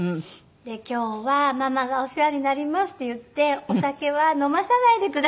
で「今日はママがお世話になります」って言って「お酒は飲まさないでください」って。